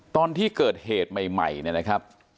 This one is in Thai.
ตอนที่เกิดเหตุใหม่เนี่ยนะครับ